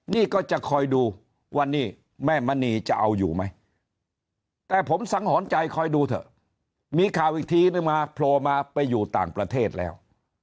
นี่ก็จะคอยดูว่านี่แม่มณีจะเอาอยู่ไหมแต่ผมสังหรณ์ใจคอยดูเถอะมีข่าวอีกทีนึงมาโผล่มาไปอยู่ต่างประเทศแล้ว